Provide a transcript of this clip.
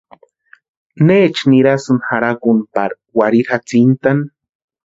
¿Necha nirasïnki jarhakuni pari warhirini jatsintani?